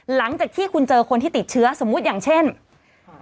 หลังจากที่คุณเจอคนที่ติดเชื้อสมมุติอย่างเช่นอ่า